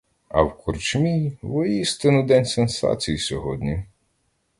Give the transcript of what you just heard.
А в корчмі — воістину день сенсацій сьогодні!